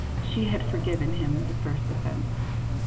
She had forgiven him the first offence.